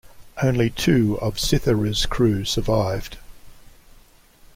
Only two of "Cythera's" crew survived.